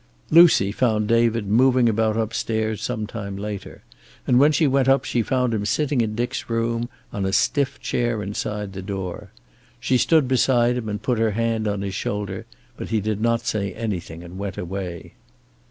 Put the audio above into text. Lucy found David moving about upstairs some time later, and when she went up she found him sitting in Dick's room, on a stiff chair inside the door. She stood beside him and put her hand on his shoulder, but he did not say anything, and she went away.